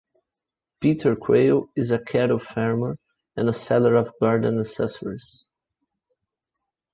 Peter Quail is a cattle farmer and a seller of garden accessories.